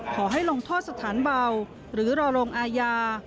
ขอให้ลงโทษสถานเบาหรือรอลงอาญา